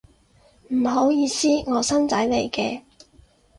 唔好意思，我新仔嚟嘅